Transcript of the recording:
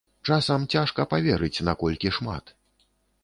Часам цяжка паверыць, наколькі шмат.